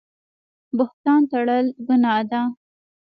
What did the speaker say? بهتان تړل ګناه ده